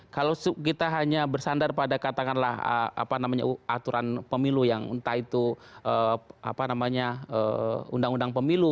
kalau kita hanya bersandar pada katakanlah apa namanya aturan pemilu yang entah itu apa namanya undang undang pemilu